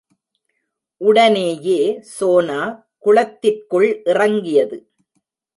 உடனேயே சோனா குளத்திற்குள் இறங்கியது.